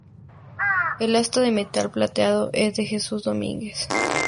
El asta de metal plateado es de Jesús Domínguez.